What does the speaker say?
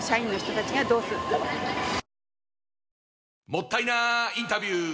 もったいなインタビュー！